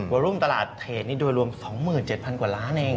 รุ่งตลาดเทรดนี่โดยรวม๒๗๐๐กว่าล้านเอง